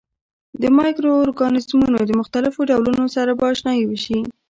د مایکرو ارګانیزمونو د مختلفو ډولونو سره به آشنايي وشي.